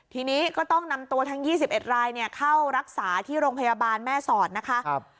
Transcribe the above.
ทีนี้ก็ต้องนำตัวทั้ง๒๑รายเข้ารักษาที่โรงพยาบาลแม่สอดนะคะ